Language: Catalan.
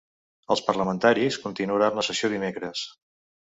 Els parlamentaris continuaran la sessió dimecres.